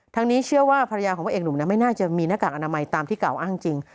นี้เชื่อว่าภรรยาของพระเอกหนุ่มไม่น่าจะมีหน้ากากอนามัยตามที่กล่าวอ้างจริง